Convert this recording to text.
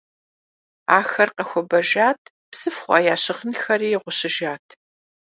Ахэр къэхуэбэжат, псыф хъуа я щыгъынхэри гъущыжат.